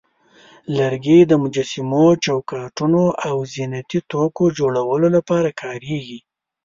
لرګي د مجسمو، چوکاټونو، او زینتي توکو جوړولو لپاره کارېږي.